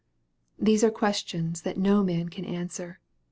These are questions that no man can answer.